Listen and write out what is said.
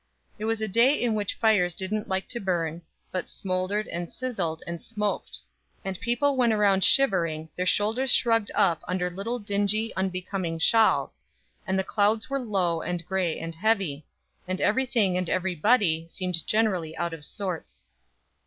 It was a day in which fires didn't like to burn, but smoldered, and sizzled, and smoked; and people went around shivering, their shoulders shrugged up under little dingy, unbecoming shawls, and the clouds were low, and gray, and heavy and every thing and every body seemed generally out of sorts.